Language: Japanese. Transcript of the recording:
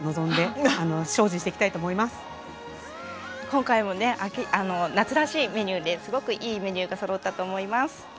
今回もね夏らしいメニューですごくいいメニューがそろったと思います。